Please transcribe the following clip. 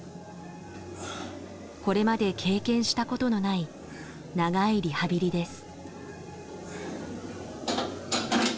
これまで経験したことのない長いリハビリです。